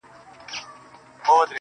• د سكون له سپينه هــاره دى لوېـدلى.